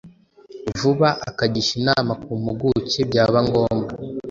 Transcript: vuba akagisha inama ku mpuguke byaba ngombwa